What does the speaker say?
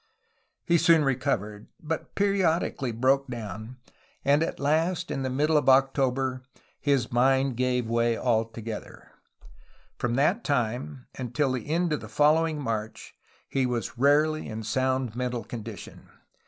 He soon recovered, but periodically broke down, and at last in the middle of October his mind gave way alto gether. From that time until the end of the following March he was rarely in sound mental condition.